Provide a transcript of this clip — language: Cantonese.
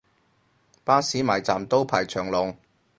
巴士埋站都排長龍